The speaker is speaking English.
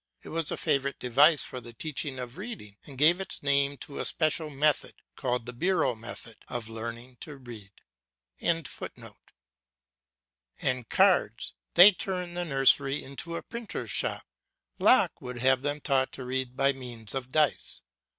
It was a favourite device for the teaching of reading and gave its name to a special method, called the bureau method, of learning to read.] and cards, they turn the nursery into a printer's shop. Locke would have them taught to read by means of dice.